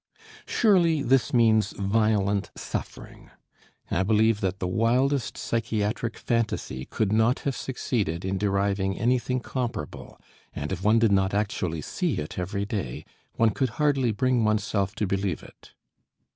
Surely this means violent suffering. I believe that the wildest psychiatric phantasy could not have succeeded in deriving anything comparable, and if one did not actually see it every day, one could hardly bring oneself to believe it.